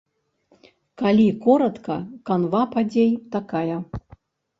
Калі коратка, канва падзей такая.